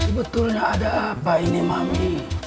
sebetulnya ada apa ini mami